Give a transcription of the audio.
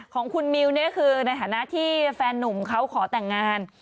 ของคุณมิวเนี่ยคือในฐานะที่แฟนนุ่มเขาขอแต่งงาน